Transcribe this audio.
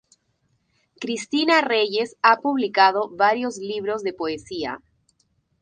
Cristina Reyes ha publicado varios libros de poesía.